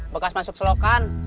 bekas masuk selokan